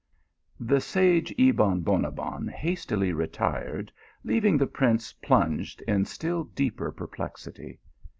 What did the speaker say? " The sage Ebon Bonabbon hastily retired, leaving the prince plunged in still deeper perplexity.